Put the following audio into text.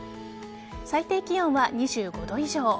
最低気温は２５度以上。